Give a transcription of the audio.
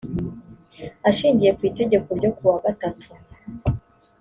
ashingiye ku itegeko ryo kuwa gatatu